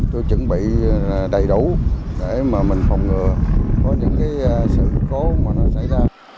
tôi chuẩn bị đầy đủ để phòng ngừa những sự cố xảy ra